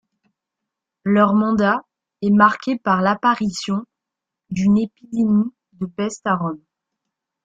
Leur mandat est marqué par l'apparition d'une épidémie de peste à Rome.